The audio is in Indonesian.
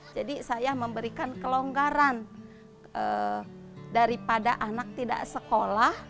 jadi saya memberikan kelonggaran daripada anak tidak sekolah